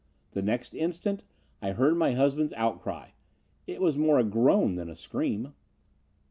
The next instant, I heard my husband's outcry. It was more a groan than a scream.